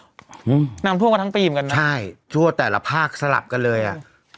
อืมน้ำท่วมกันทั้งปีเหมือนกันนะใช่ทั่วแต่ละภาคสลับกันเลยอ่ะ